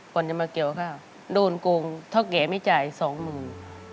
ก่อนจะมาเกี่ยวข้าวโดนโกงเท่าแก่ไม่จ่ายสองหมื่น